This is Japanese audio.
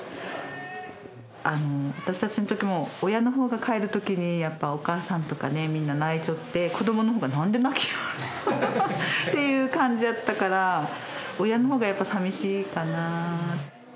あの私たちのときも親のほうが帰るときにやっぱお母さんとかねみんな泣いちょって子どものほうが「なんで泣きよる？」っていう感じやったから親のほうがやっぱ寂しいかな。